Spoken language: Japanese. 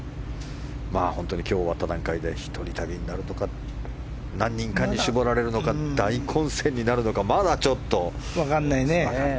本当に、今日終わった段階で一人旅になるのか何人かに絞られるのか大混戦になるのかまだちょっと分かりません。